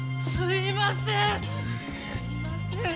すいません。